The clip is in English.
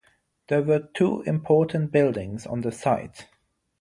There were two important buildings on the site.